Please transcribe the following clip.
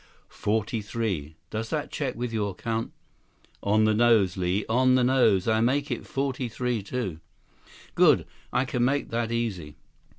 "Forty three. Does that check with your count?" "On the nose, Li, on the nose. I make it forty three too." "Good. I can make that easy.